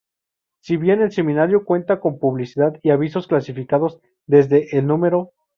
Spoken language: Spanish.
Si bien el semanario cuenta con publicidad y avisos clasificados desde el No.